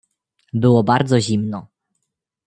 "Było bardzo zimno."